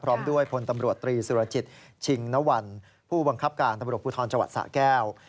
พร้อมด้วยทตรสนวนพบกรปตนสแก้ว